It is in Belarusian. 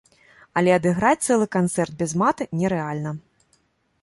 Але адыграць цэлы канцэрт без мата нерэальна.